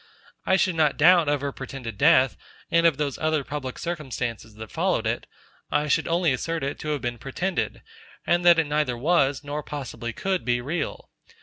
I should not doubt of her pretended death, and of those other public circumstances that followed it: I should only assert it to have been pretended, and that it neither was, nor possibly could be real.